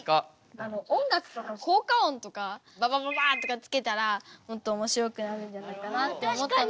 音楽とか効果音とか「ババババッ」とかつけたらもっとおもしろくなるんじゃないかなって思ったのと。